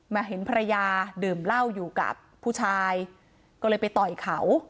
เห็นภรรยาดื่มเหล้าอยู่กับผู้ชายก็เลยไปต่อยเขา